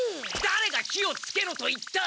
だれが火をつけろと言った！？